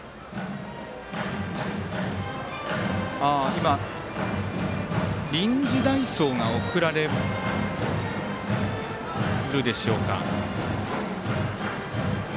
今、臨時代走が送られるでしょうか。